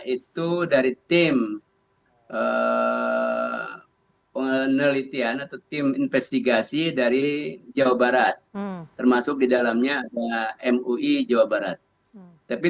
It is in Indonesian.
itu dari tim penelitian atau tim investigasi dari jawa barat termasuk di dalamnya ada mui jawa barat tapi